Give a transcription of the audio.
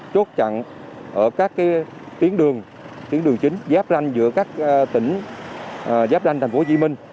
chốt chặn ở các tiến đường chính giáp ranh giữa các tỉnh giáp ranh tp hcm